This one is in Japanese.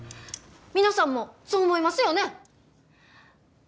皆さんもそう思いますよね？